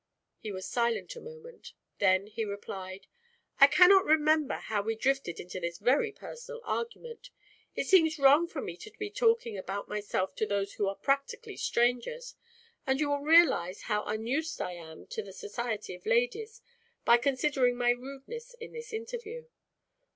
He was silent a moment. Then he replied: "I cannot remember how we drifted into this very personal argument. It seems wrong for me to be talking about myself to those who are practically strangers, and you will realize how unused I am to the society of ladies by considering my rudeness in this interview."